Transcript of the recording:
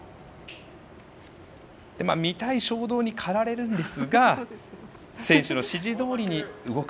見たい衝動に駆られるんですが選手の指示どおりに動く。